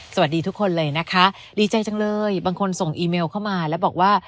สวัสดีทุกคนเลยนะคะดีใจจังเลยบางคนส่งอีเมลเข้ามาแล้วบอกว่า